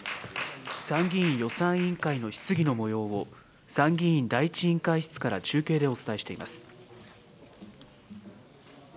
参議院予算委員会の質疑のもようを、参議院第１委員会室から中継でお伝えしています。